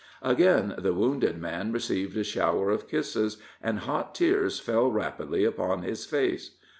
Again the wounded man received a shower of kisses, and hot tears fell rapidly upon his face.